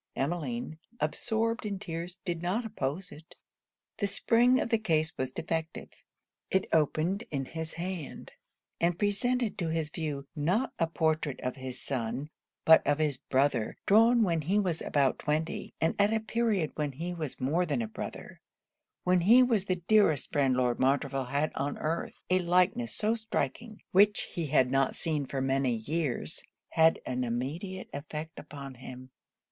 Emmeline, absorbed in tears, did not oppose it. The spring of the case was defective. It opened in his hand; and presented to his view, not a portrait of his son, but of his brother, drawn when he was about twenty, and at a period when he was more than a brother when he was the dearest friend Lord Montreville had on earth. A likeness so striking, which he had not seen for many years, had an immediate effect upon him.